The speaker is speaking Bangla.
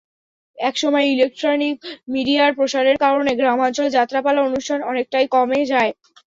একসময় ইলেকট্রনিক মিডিয়ার প্রসারের কারণে গ্রামাঞ্চলে যাত্রাপালা অনুষ্ঠান অনেকটাই কমে যায়।